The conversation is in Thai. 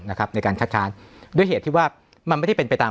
ในการคัดค้านด้วยเหตุที่ว่ามันไม่ได้เป็นไปตาม